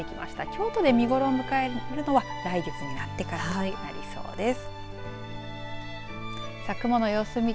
京都で見頃を迎えるのは来月になってからとなりそうです。